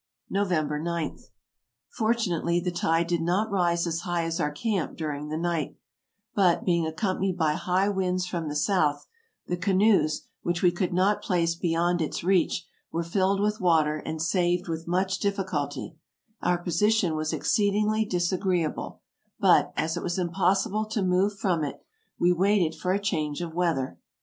"November p. — Fortunately the tide did not rise as high as our camp during the night; but, being accompanied by high winds from the south, the canoes, which we could not place beyond its reach, were filled with water and saved with much difficulty; our position was exceedingly disagree able; but, as it was impossible to move from it, we waited for a change of weather.